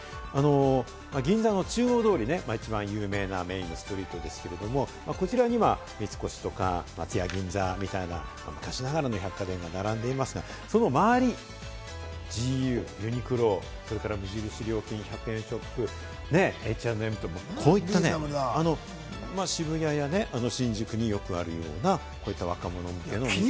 銀座の中央通りね、一番有名なメインストリートですけれども、こちら今、三越とか松屋銀座みたいな昔ながらの百貨店が並んでいますが、その周りにＧＵ、ユニクロ、それから無印良品、１００円ショップ、Ｈ＆Ｍとか、こういった渋谷や新宿によくあるような、こういった若者向けのね。